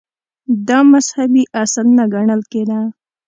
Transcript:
• دا مذهبي اصل نه ګڼل کېده.